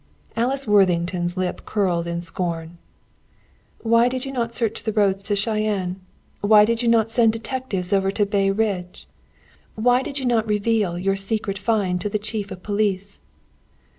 Alice Worthington's lip curled in scorn. "Why did you not search the roads to Cheyenne? Why did you not send detectives over to Bay Ridge? Why did you not reveal your secret find to the chief of police?"